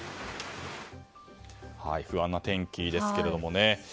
不安な天気ですけれどもね。